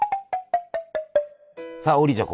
さあ王林ちゃん